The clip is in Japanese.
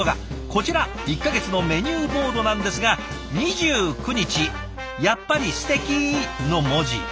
こちら１か月のメニューボードなんですが２９日「やっぱりステキー！」の文字。